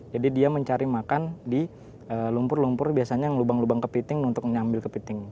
jadi dia mencari makan di lumpur lumpur biasanya yang lubang lubang kepiting untuk mengambil kepiting